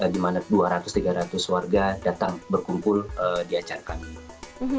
di mana dua ratus tiga ratus warga datang berkumpul di acara kami